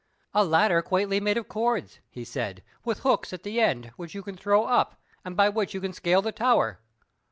"A ladder quaintly made of cords," he said, "with hooks at the end, which you can throw up, and by which you can scale the tower."